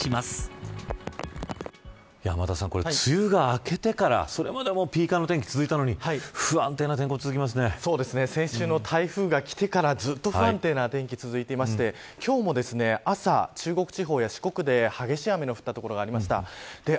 梅雨が明けてからそれまでピーカンな天気が続いたのに、不安定な天候先週の台風が来てからずっと不安定な天気が続いていまして今日も朝、中国地方や四国で激しい雨の降った所がありました。